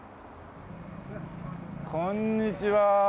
こんにちは。